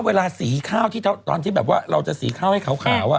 เวลาสีข้าวที่ตอนที่แบบว่าเราจะสีข้าวให้ขาว